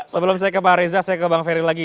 sebelum saya ke pak reza saya ke bang ferry lagi